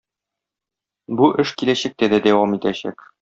Бу эш киләчәктә дә дәвам итәчәк.